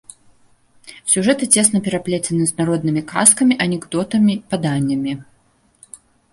Сюжэты цесна пераплецены з народнымі казкамі, анекдотамі, паданнямі.